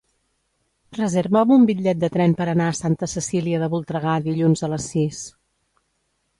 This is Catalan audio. Reserva'm un bitllet de tren per anar a Santa Cecília de Voltregà dilluns a les sis.